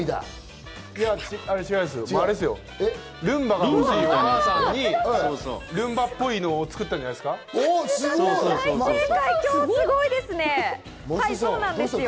ルンバっぽいのを作ったんじゃないですか。